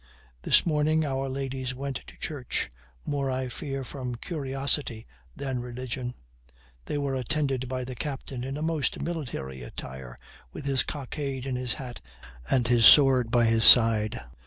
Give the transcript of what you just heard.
This morning our ladies went to church, more, I fear, from curiosity than religion; they were attended by the captain in a most military attire, with his cockade in his hat and his sword by his side.